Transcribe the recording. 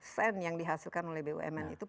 sen yang dihasilkan oleh bumn itu